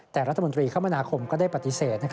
แต่รัฐมนตรีคมนาคมก็ได้ปฏิเสธ